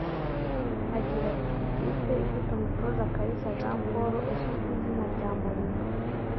Agira ati “ikipe ifite umutoza Kalisa Jean Paul uzwi ku izina rya Morinnyo